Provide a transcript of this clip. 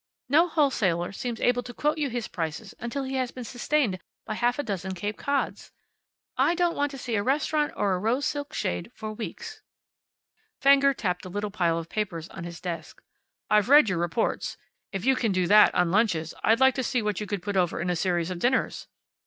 No wholesaler seems able to quote you his prices until he has been sustained by half a dozen Cape Cods. I don't want to see a restaurant or a rose silk shade for weeks." Fenger tapped the little pile of papers on his desk. "I've read your reports. If you can do that on lunches, I'd like to see what you could put over in a series of dinners."